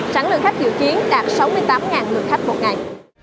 sáng lượng khách dự kiến đạt sáu mươi tám người khách một ngày